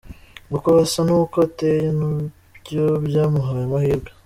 Uko asa n'uko ateye nabyo byamuhaye amahirwe.